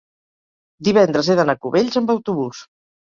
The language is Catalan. divendres he d'anar a Cubells amb autobús.